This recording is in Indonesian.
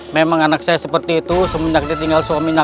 memang anak saya seperti itu semenjak dia tinggal suaminya